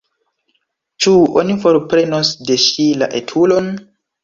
Ĉu oni forprenos de ŝi la etulon?